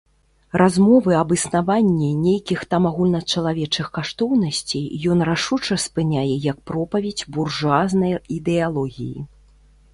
Размовы аб існаванні нейкіх там агульначалавечых каштоўнасцей ён рашуча спыняе як пропаведзь буржуазнай ідэалогіі.